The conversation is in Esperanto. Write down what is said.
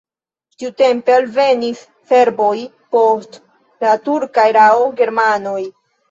Tiutempe alvenis serboj, post la turka erao germanoj.